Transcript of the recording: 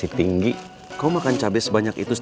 eh ini tau gak niat niat ah